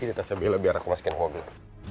ini tese bella biar aku waskain mobil